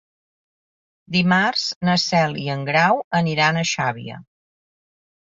Dimarts na Cel i en Grau aniran a Xàbia.